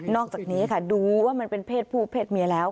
อกจากนี้ค่ะดูว่ามันเป็นเพศผู้เพศเมียแล้ว